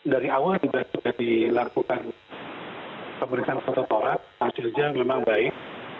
dari awal sudah dilakukan pemeriksaan fototora hasilnya memang baik